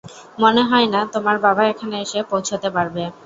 মনে হয় না তোমার বাবা এখানে এসে পৌঁছতে পারবে!